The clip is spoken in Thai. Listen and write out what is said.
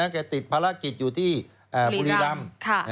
ติดภารกิจอยู่ที่บุรีรำ